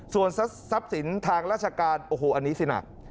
ส่วนทรัพย์สินทางราชการโอ้โหอันนี้สิหนัก